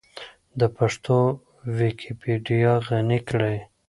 د پښتو ويکيپېډيا غني کړئ.